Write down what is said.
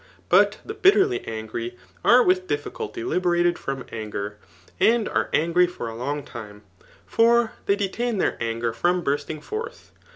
But the Utterly angry, are with difficulty iibe* rated from anger, and are angry for a long time ; for riiey detain their anger [from bursting forth.